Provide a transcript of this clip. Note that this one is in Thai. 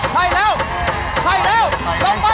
ใช่แล้วใช่แล้วใช่แล้ว